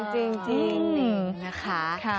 จริงนะคะ